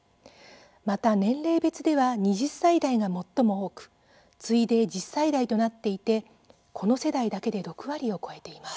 また、年齢別では２０歳代が最も多く次いで１０歳代となっていてこの世代だけで６割を超えています。